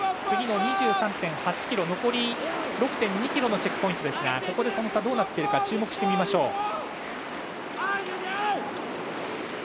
次の２３．８ｋｍ残り６．２ｋｍのチェックポイントですがここでその差がどうなっているか注目してみましょう。